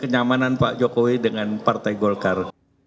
kenyamanan pak jokowi dengan partai golkar